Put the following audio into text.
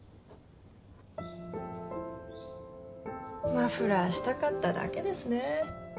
マフラーしたかっただけですね。